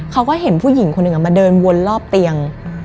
เขาก็เห็นผู้หญิงคนหนึ่งมาเดินวนรอบเตียง